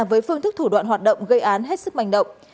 với phương thức thủ đoạn hoạt động gây án hết sức manh động